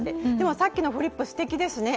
さっきのフリップ、すてきですね。